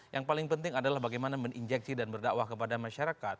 yang paling penting adalah bagaimana meninjeksi dan berdakwah kepada masyarakat